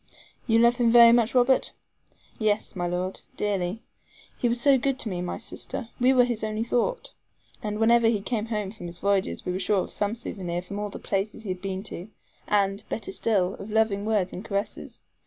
"You love him very much, Robert?" "Yes, my Lord, dearly. He was so good to me and my sister. We were his only thought: and whenever he came home from his voyages, we were sure of some SOUVENIR from all the places he had been to; and, better still, of loving words and caresses.